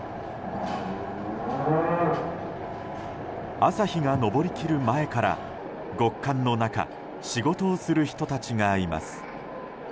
朝日が昇りきる前から極寒の中仕事をする人たちがいます。